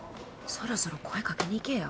そろそろ声かけに行けや。